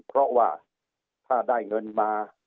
เพราะว่าถ้าได้เงินมา